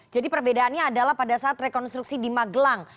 jadi perbedaannya adalah pada saat rekonstruksi di magelang